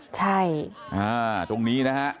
ใช่